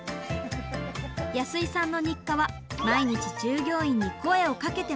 安居さんの日課は毎日従業員に声をかけて回ること。